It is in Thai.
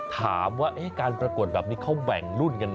ถามว่าการประกวดแบบนี้เขาแบ่งรุ่นกันไหม